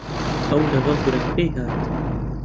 ئەو لەگەڵ براکەی هات.